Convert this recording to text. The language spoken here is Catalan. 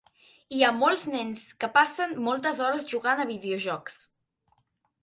Hi ha molts nens que passen moltes hores jugant a videojocs.